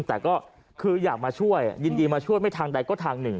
แต่ก็คืออยากมาช่วยยินดีมาช่วยไม่ทางใดก็ทางหนึ่ง